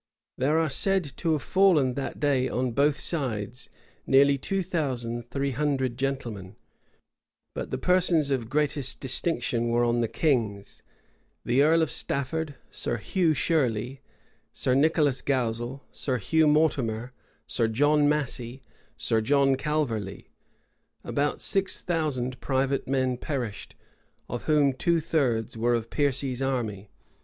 There are said to have fallen that day on both sides near two thousand three hundred gentlemen; but the persons of greatest distinction were on the king's; the earl of Stafford, Sir Hugh Shirley, Sir Nicholas Gausel, Sir Hugh Mortimer, Sir John Massey, Sir John Calverly. About six thousand private men perished, of whom two thirds were of Piercy's army.